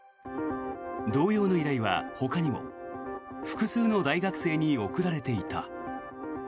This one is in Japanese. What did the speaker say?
同様の依頼は、ほかにも複数の大学生に送られていた。